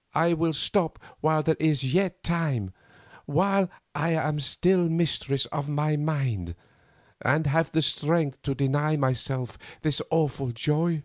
... I will stop while there is yet time, while I am still mistress of my mind, and have the strength to deny myself this awful joy."